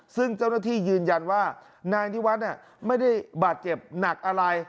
ซึ่งเจ้าหน้าที่ยืนยันว่านายนิวัฒน์ไม่ได้บาดเจ็บหนักอะไร